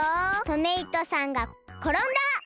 トメイトさんがころんだ！